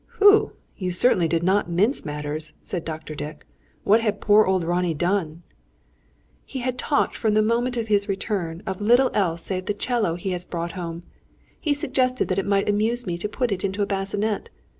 "Whew! You certainly did not mince matters," said Dr. Dick. "What had poor old Ronnie done?" "He had talked, from the moment of his return, of very little save the 'cello he has brought home. He had suggested that it might amuse me to put it into a bassinet.